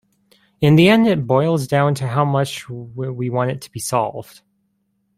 In the end it boils down to how much we want it to be solved.